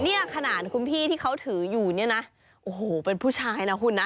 เนี่ยขนาดคุณพี่ที่เขาถืออยู่เนี่ยนะโอ้โหเป็นผู้ชายนะคุณนะ